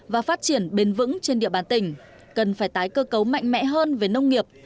và phát triển bền vững trên địa bàn tỉnh cần phải tái cơ cấu mạnh mẽ hơn về nông nghiệp